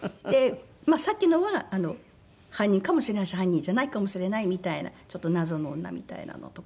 さっきのは犯人かもしれないし犯人じゃないかもしれないみたいなちょっと謎の女みたいなのとか。